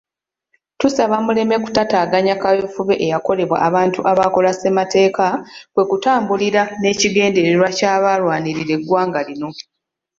Tusaba muleme kutaataganya kaweefube eyakolebwa abantu abaakola ssemateeka kwe tutambulira n'ekigendererwa ky'abalwanirira eggwanga lino.